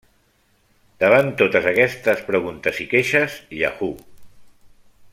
Davant totes aquestes preguntes i queixes, Yahoo!